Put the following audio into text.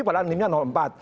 padahal miliknya empat